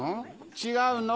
違うの？